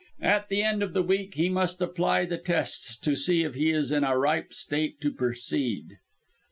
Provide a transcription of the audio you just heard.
At the end of the week he must apply the tests to see if he is in a ripe state to proceed.